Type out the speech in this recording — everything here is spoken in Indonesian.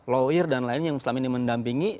lawyer dan lain yang selama ini mendampingi